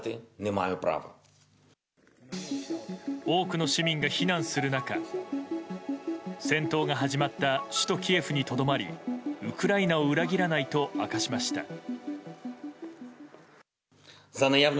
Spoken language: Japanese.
多くの市民が避難する中戦闘が始まった首都キエフにとどまりウクライナを裏切らないと明かしました。